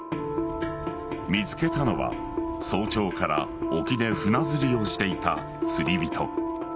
見つけたのは、早朝から沖で船釣りをしていた釣り人。